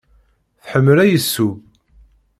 Tḥemmel ad yesseww?